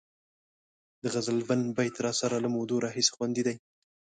د غزلبڼ بیت راسره له مودو راهیسې خوندي دی.